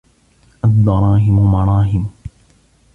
الدَّرَاهِمُ مَرَاهِمُ